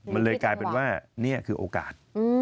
มันเลยกลายเป็นว่านี่คือโอกาส